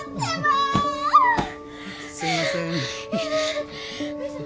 すいません。